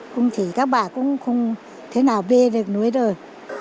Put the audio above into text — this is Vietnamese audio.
cũng chỉ các bà cũng không thế nào bê được núi đời